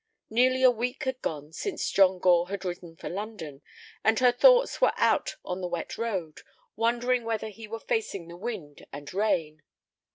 Nearly a week had gone since John Gore had ridden for London, and her thoughts were out on the wet road, wondering whether he were facing the wind and rain.